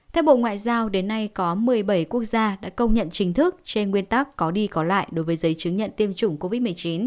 theo bộ ngoại giao đến nay có một mươi bảy quốc gia đã công nhận chính thức trên nguyên tắc có đi có lại đối với giấy chứng nhận tiêm chủng covid một mươi chín